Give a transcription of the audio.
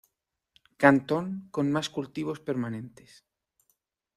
Cantón con más cultivos permanentes.